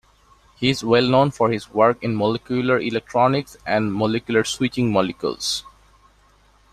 He is well known for his work in molecular electronics and molecular switching molecules.